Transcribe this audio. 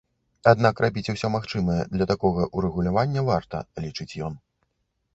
Аднак рабіць усё магчымае для такога ўрэгулявання варта, лічыць ён.